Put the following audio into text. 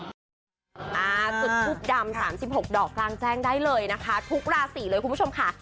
จุดทูปดำ๓๖ดอกกลางแจ้งได้เลยนะคะทุกราศีเลยคุณผู้ชมค่ะ